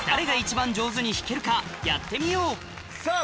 さぁやってみようさぁ